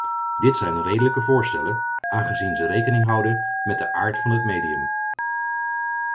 Dit zijn redelijke voorstellen, aangezien ze rekening houden met de aard van het medium.